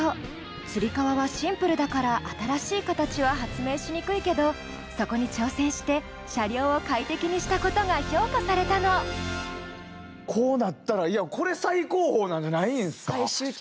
つり革はシンプルだから新しいカタチは発明しにくいけどそこに挑戦して車両を快適にしたことが評価されたのこうなったらこれ最高峰なんじゃないんですか？